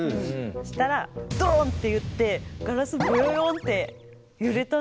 そしたらっていってガラスボヨヨンって揺れたんです。